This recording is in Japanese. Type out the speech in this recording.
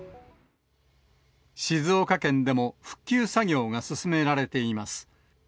静岡県でも復旧作業が進められています。